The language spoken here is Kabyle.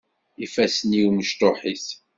Ifassen-iw mecṭuḥit.